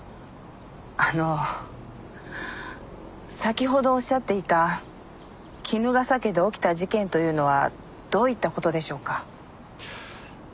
あの先ほどおっしゃっていた衣笠家で起きた事件というのはどういった事でしょうか？